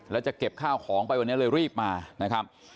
แล้วจะเก็บข้าวของไปวันนี้เลยรีบมานะครับ